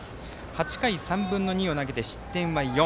８回３分の２を投げて失点は４。